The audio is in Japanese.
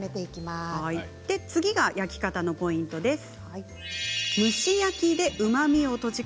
次が焼き方のポイントです。